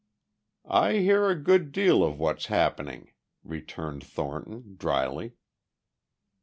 "I hear a good deal of what's happening," returned Thornton drily.